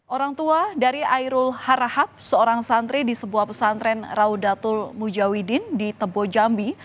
orang tua dari airul harahab seorang santri di sebuah pesantren raudatul mujawidin di tebo jambi